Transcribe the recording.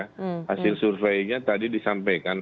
hasil surveinya tadi disampaikan